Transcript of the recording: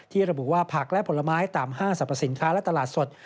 ระบุว่าผักและผลไม้ตามห้างสรรพสินค้าและตลาดสด